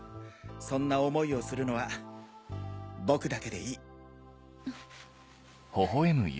そんな思いをするのは僕だけでいい。